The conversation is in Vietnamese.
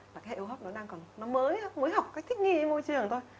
và cái hệ hô hốp nó mới học cách thích nghi môi trường thôi